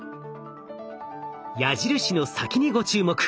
矢印の先にご注目。